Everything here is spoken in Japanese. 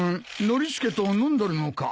ノリスケと飲んどるのか。